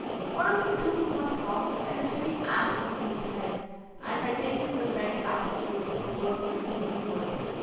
One of the two whom I saw, held a heavy axe over his head, and had taken the bent attitude of a workman hewing wood.